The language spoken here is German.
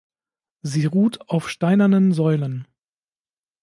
Sie ruht auf steinernen Säulen.